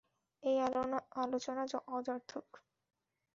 এই আলোচনা অযার্থক!